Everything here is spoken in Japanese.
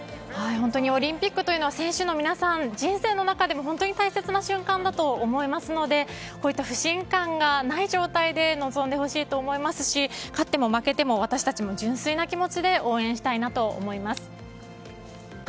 本当にオリンピックというのは選手の皆さん、人生の中でも大切な瞬間だと思いますのでこういった不信感がない状態で臨んでほしいと思いますし勝っても負けても私たちも純粋な気持ちで応援したいなと思います。